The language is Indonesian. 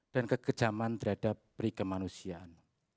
dan kekejaman terhadap prik kemanusiaan